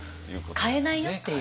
変えないよっていう。